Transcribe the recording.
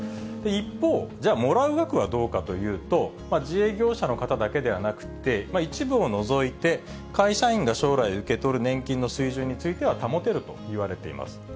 一方、じゃあもらう額はどうかというと、自営業者の方だけではなくて、一部を除いて、会社員が将来受け取る年金の水準については保てるといわれています。